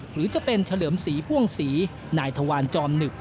หรือจะเป็นเฉลิมศรีพ่วงศรีนายทวารจอมหนึบ